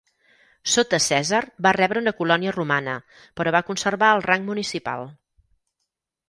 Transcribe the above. Sota Cèsar va rebre una colònia romana però va conservar el rang municipal.